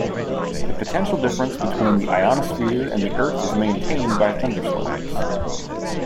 The potential difference between the ionosphere and the Earth is maintained by thunderstorms.